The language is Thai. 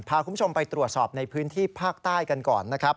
พาคุณผู้ชมไปตรวจสอบในพื้นที่ภาคใต้กันก่อนนะครับ